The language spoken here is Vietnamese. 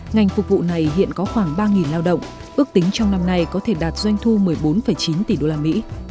ngành phục vụ này hiện có khoảng ba lao động ước tính trong năm nay có thể đạt doanh thu một mươi bốn chín tỷ usd